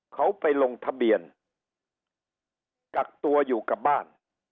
เขาไปลงทะเบียนกักตัวอยู่กับบ้าน